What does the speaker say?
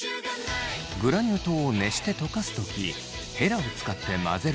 グラニュー糖を熱して溶かす時ヘラを使って混ぜるのはＮＧ！